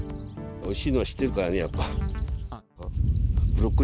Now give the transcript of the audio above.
おいしいのを知ってるからね、やっぱり。